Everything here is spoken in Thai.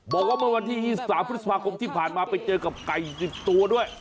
บอกว่าเมื่อวันที่๒๓พฤษภาคมที่ผ่านมาไปเจอกับไก่๑๐ตัวด้วย